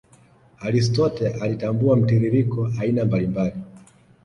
Aristotle alitambua mtiririko aina mbali mbali